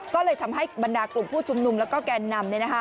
ก็เลยทำให้บรรดากลุ่มผู้ชุมนุมแล้วก็แกนนำ